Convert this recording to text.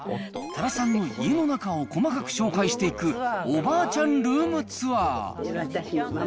多良さんの家の中を細かく紹介していく、おばあちゃんルームツアー。